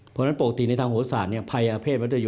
เพราะฉะนั้นปกติในทางโหสาธิ์ภัยอาเภศและริตยู